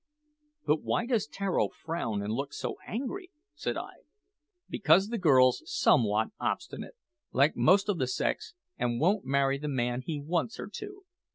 "But why does Tararo frown and look so angry?" said I. "Because the girl's somewhat obstinate, like most o' the sex, an' won't marry the man he wants her to.